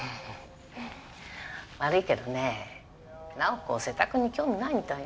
悪いけどね奈緒子瀬田君に興味ないみたいよ。